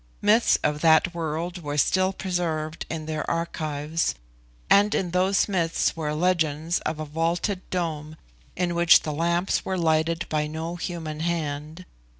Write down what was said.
Myths of that world were still preserved in their archives, and in those myths were legends of a vaulted dome in which the lamps were lighted by no human hand.